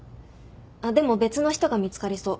でも別の人が見つかりそう。